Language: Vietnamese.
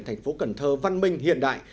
thành phố cần thơ văn minh hiện đại